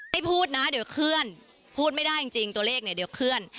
ให้พูดนะเดี๋ยวเคลื่อนพูดไม่ได้จริงตัวเลขเนี่ยเดี๋ยวเคลื่อน